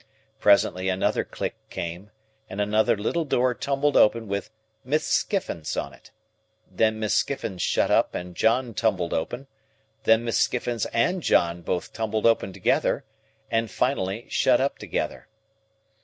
Presently another click came, and another little door tumbled open with "Miss Skiffins" on it; then Miss Skiffins shut up and John tumbled open; then Miss Skiffins and John both tumbled open together, and finally shut up together.